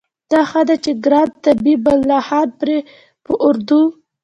دا ښه ده چې ګران طيب الله خان پرې په اردو